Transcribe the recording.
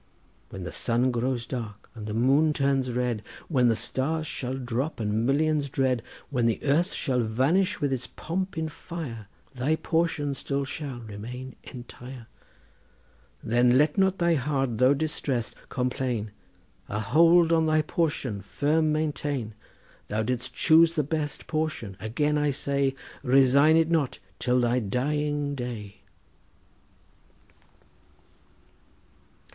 When the sun grows dark and the moon turns red, When the stars shall drop and millions dread, When the earth shall vanish with its pomps in fire, Thy portion still shall remain entire. Then let not thy heart though distressed, complain! A hold on thy portion firm maintain. Thou didst choose the best portion, again I say— Resign it not till thy dying day.